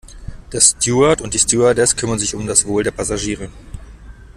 Der Steward und die Stewardess kümmern sich um das Wohl der Passagiere.